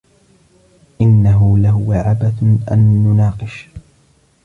انه لهو عبث ان نناقش.